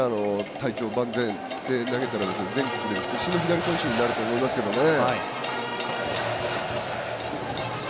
体調万全で投げたら全国で屈指の左投手になると思いますけどね。